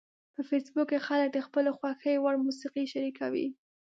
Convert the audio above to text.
په فېسبوک کې خلک د خپلو خوښې وړ موسیقي شریکوي